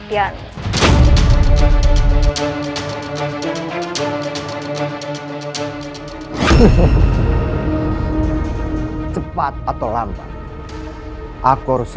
kita akan menyerang istana kadang wakit